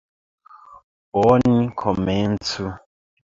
Oni komencu!